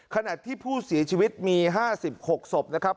ขณะที่ผู้เสียชีวิตมี๕๖ศพนะครับ